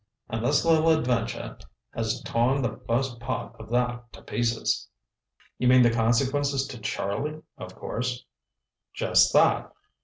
And this little adventure has torn the first part of that to pieces!" "You mean the consequences to Charlie of course—" "Just that.